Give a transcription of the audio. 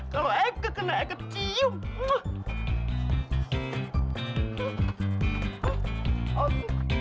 kalau eke kena eke cium